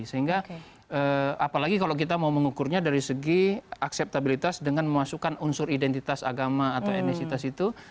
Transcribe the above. sehingga apalagi kalau kita mau mengukurnya dari segi akseptabilitas dengan memasukkan unsur identitas agama atau etnisitas itu